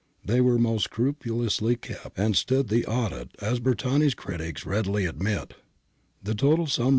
They were most scrupulously kept and stood the audit, as Bertani's critics readily admit {Luzio, Corr.